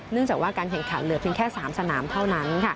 จากว่าการแข่งขันเหลือเพียงแค่๓สนามเท่านั้น